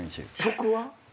・食は？